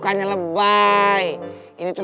ke w apa gitu